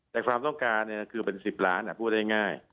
แต่ความต้องการเนี่ยคือเป็นสิบร้านพูดได้ง่าย